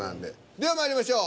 ではまいりましょう。